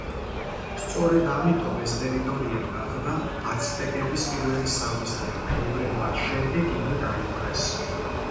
სწორედ ამიტომ, ეს ტერიტორია გახდა აცტეკების პირველი სამიზნე, რომლებმაც შემდეგ იგი დაიპყრეს.